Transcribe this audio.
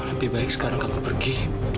lebih baik sekarang kamu pergi